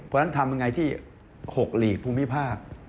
เพราะฉะนั้นทำยังไงที่๖หลีกภูมิภาค